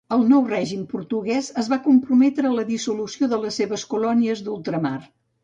El nou règim portuguès es va comprometre a la dissolució de les seves colònies d'ultramar.